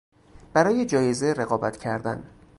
برای جایزه رقابت کردن